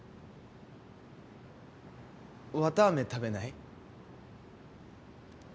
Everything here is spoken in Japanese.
綿あめ食べない？